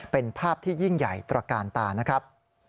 เป็นภาพที่ยิ่งใหญ่ตระกาลตานะครับ